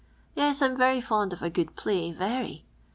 Yes, I 'm very fond of a good pky, very.